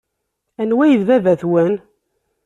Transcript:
Anwa ay d baba-twen?